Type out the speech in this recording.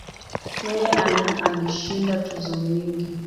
Yeye ana alishinda tuzo nyingi.